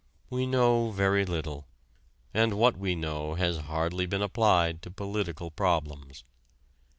We know very little, and what we know has hardly been applied to political problems.